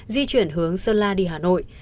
di chuyển hướng sơn la đi hà nội